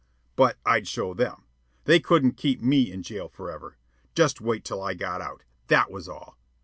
But I'd show them. They couldn't keep me in jail forever. Just wait till I got out, that was all.